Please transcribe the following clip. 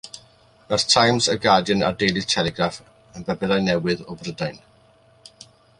Mae'r Times, y Guardian, a'r Daily Telegraph yn bapurau newydd o Brydain.